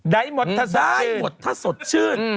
ได้หมดถ้าสดชื่น